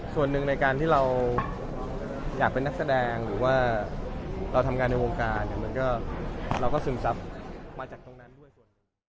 โปรดติดตามตอนต่อไป